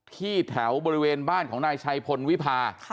ที่แถวบริเวณบ้านของนายชัยพลวิพา